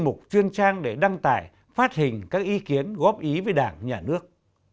mục chuyên trang để đăng tải phát hình các ý kiến góp ý với đảng nhà nước